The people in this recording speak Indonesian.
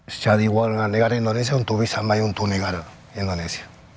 saya mau jadi warga negara indonesia untuk bisa maju ke negara indonesia